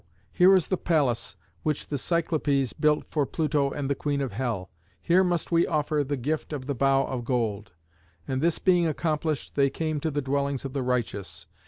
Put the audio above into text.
here is the palace which the Cyclopés built for Pluto and the Queen of hell. Here must we offer the gift of the bough of gold." And this being accomplished, they came to the dwellings of the righteous.